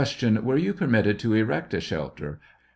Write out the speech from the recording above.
Were you permitted to erect a shelter